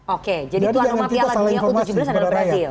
oke jadi tuan rumah piala dunia u tujuh belas adalah brazil